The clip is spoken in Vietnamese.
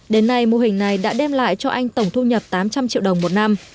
đến nay mô hình này đã đem lại cho anh tổng thu nhập tám trăm linh triệu đồng một năm